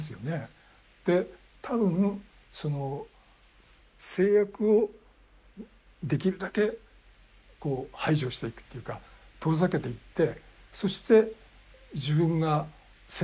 で多分その制約をできるだけ排除していくっていうか遠ざけていってそして自分が選択できる幅を広くする。